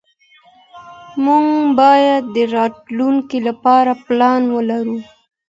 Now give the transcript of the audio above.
موږ بايد د راتلونکي لپاره پلان ولرو.